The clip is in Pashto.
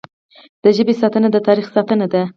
د ژبې ساتنه د تاریخ ساتنه ده.